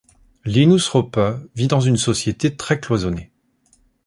Linus Hoppe vit dans une société très cloisonnée.